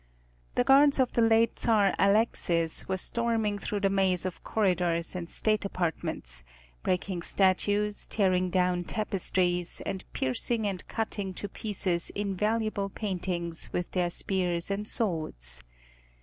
The guards of the late Czar Alexis were storming through the maze of corridors and state apartments, breaking statues, tearing down tapestries, and piercing and cutting to pieces invaluable paintings with their spears and swords.